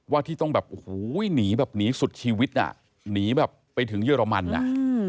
ว่าที่ต้องหนีสุดชีวิตหนีไปถึงเยอรมนี